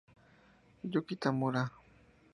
Yuki Tamura